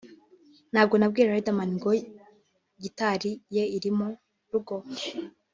nabwo nabwiye Riderman ko gitari ye iri mu rugo